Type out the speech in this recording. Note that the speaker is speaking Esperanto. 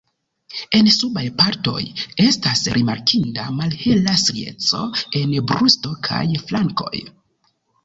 En subaj partoj estas rimarkinda malhela strieco en brusto kaj flankoj.